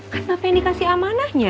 kan apa yang dikasih amanahnya